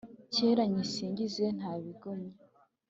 reka nyisingize nta bigonya,